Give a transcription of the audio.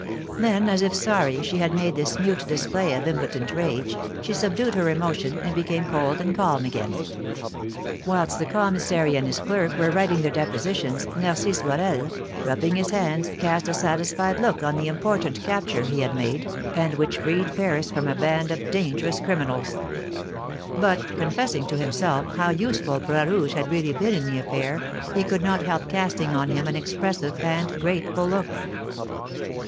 Then, as if sorry she had made this mute display of impotent rage, she subdued her emotion, and became cold and calm again. Whilst the commissary and his clerk were writing their depositions, Narcisse Borel, rubbing his hands, cast a satisfied look on the important capture he had made, and which freed Paris from a band of dangerous criminals; but, confessing to himself how useful Bras Rouge had really been in the affair, he could not help casting on him an expressive and grateful look.